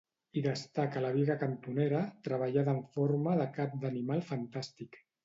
Hi destaca la biga cantonera, treballada en forma de cap d'animal fantàstic.